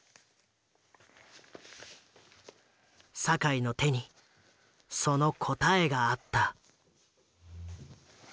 酒井の手にその答えがあった。